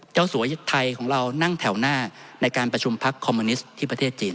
สัวไทยของเรานั่งแถวหน้าในการประชุมพักคอมมิวนิสต์ที่ประเทศจีน